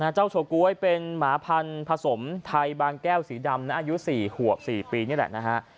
เจ้าเฉาก๊วยเป็นหมาพันธุ์ผสมไทยบางแก้วสีดำอายุ๔ขวบ๔ปีนี่แหละนะฮะ